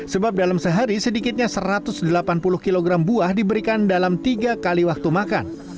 sebab dalam sehari sedikitnya satu ratus delapan puluh kg buah diberikan dalam tiga kali waktu makan